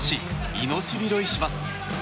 命拾いします。